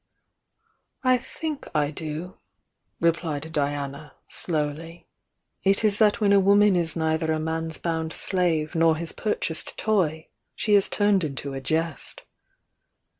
"I think I do," replied Diana, slowly. "It is that when a woman is neither a man's bound slave nor his purchased toy, she is turned into a jest."